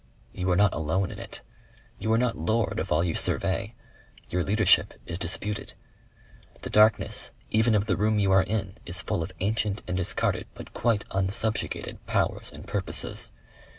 You are not alone in it. You are not lord of all you survey. Your leadership is disputed. The darkness even of the room you are in is full of ancient and discarded but quite unsubjugated powers and purposes....